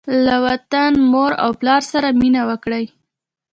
له وطن، مور او پلار سره مینه وکړئ.